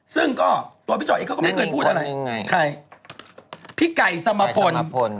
ซึ่งก็ตัวพี่ชอยเองเขาก็ไม่เคยพูดอะไรยังไงใครพี่ไก่สมพล